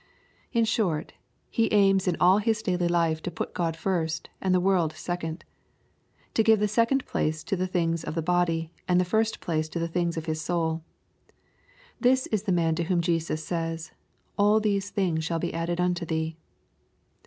In short, he aims in all his daily life to put God first and the world second, — to give the sec ond place to the things of his body, and the first place to the things of his soul. This is the man to whom Jesus says, " All these things shall be added unto thee.''